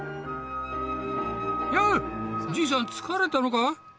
よおじいさん疲れたのか。